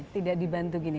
tidak dibantu gini